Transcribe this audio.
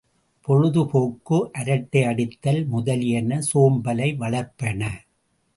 பொழுது போக்கு அரட்டை அடித்தல் முதலியன சோம்பலை வளர்ப்பன.